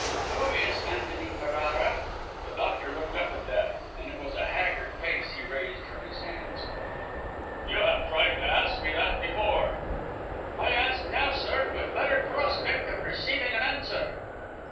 "Who is Antony Ferrara?" The doctor looked up at that; and it was a haggard face he raised from his hands. "You have tried to ask me that before." "I ask now, sir, with better prospect of receiving an answer."